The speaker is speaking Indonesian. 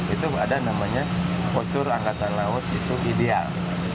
itu ada namanya postur angkatan laut itu ideal